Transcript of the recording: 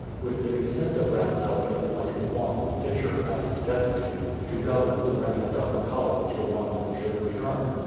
With the consent of Rasdell he appointed one, Pitcher, as his deputy, to govern the remnant of the colony till one of them should return.